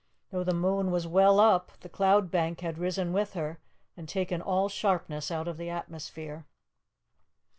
Though the moon was well up, the cloud bank had risen with her, and taken all sharpness out of the atmosphere.